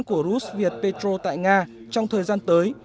của rus viet petro tại nga trong thời gian tới